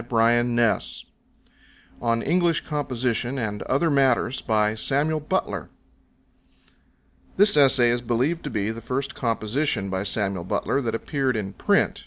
Bartholomew 266 On English Composition and Other Matters This essay is believed to be the first composition by Samuel Butler that appeared in print.